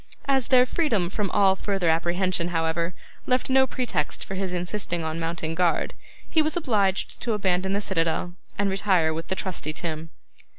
As their freedom from all further apprehension, however, left no pretext for his insisting on mounting guard, he was obliged to abandon the citadel, and to retire with the trusty Tim.